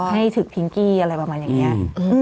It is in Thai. ให้ถึงพิงกี้อะไรประมาณอย่างนี้